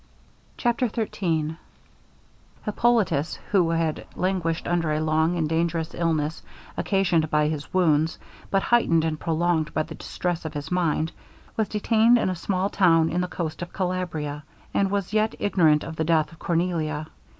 CHAPTER XIII Hippolitus, who had languished under a long and dangerous illness occasioned by his wounds, but heightened and prolonged by the distress of his mind, was detained in a small town in the coast of Calabria, and was yet ignorant of the death of Cornelia.